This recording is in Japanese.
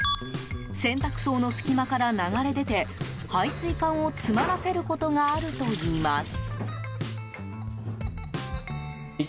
洗濯槽の隙間から流れ出て排水管を詰まらせることがあるといいます。